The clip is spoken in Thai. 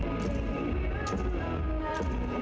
สวัสดีครับ